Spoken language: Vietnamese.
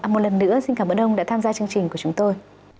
một lần nữa xin cảm ơn ông đã tham gia chương trình của chúng tôi